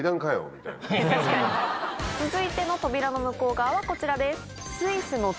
続いての扉の向こう側はこちらです。